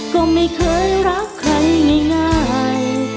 ก็ไม่เคยรักใครง่าย